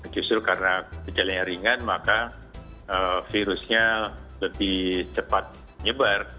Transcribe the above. justru karena kejalannya ringan maka virusnya lebih cepat nyebar